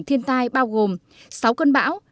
thiên tai bao gồm sáu cơn bão